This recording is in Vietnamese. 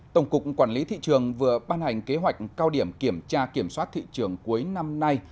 tổng cục quản lý thị trường vừa ban hành kế hoạch cao điểm kiểm tra kiểm soát thị trường cuối năm nay